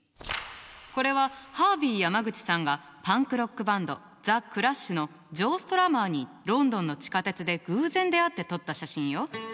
これはハービー・山口さんがパンクロックバンドザ・クラッシュのジョー・ストラマーにロンドンの地下鉄で偶然出会って撮った写真よ。